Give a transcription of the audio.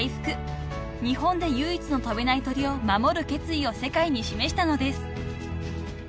日本で唯一の飛べない鳥を守る決意を世界に示したのです］